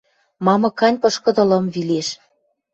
Мамык гань пышкыды лым вилеш.